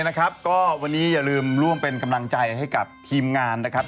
นะครับก็วันนี้อย่าลืมร่วมเป็นกำลังใจให้กับทีมงานนะครับ